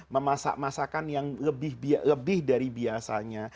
memasak masakan yang lebih dari biasanya